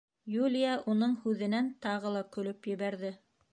Юлия уның һүҙенән тағы ла көлөп ебәрҙе: